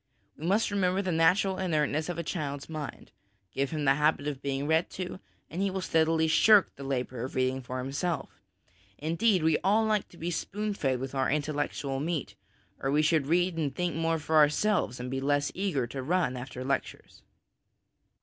We must remember the natural inertness of a child's mind ; give him the habit of being read to, and he will steadily shirk the labour of reading for himself ; indeed, we all like to be spoon fed with our intellectual meat, or we should read and think more for ourselves and be less eager to run after lectures.